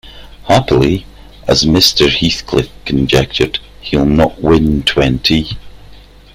Happily, as Mr. Heathcliff conjectured, he’ll not win twenty.